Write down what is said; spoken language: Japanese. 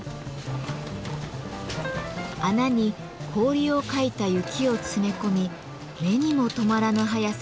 穴に氷をかいた雪を詰め込み目にも留まらぬ速さで色をさします。